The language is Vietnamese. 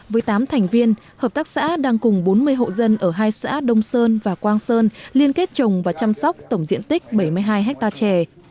với tám thành viên hợp tác xã đang cùng bốn mươi hộ dân ở hai xã đông sơn và quang sơn liên kết trồng và chăm sóc tổng diện tích bảy mươi hai hectare chè